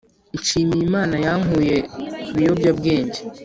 Nshimiye imana yankuye kubiyobya bwenge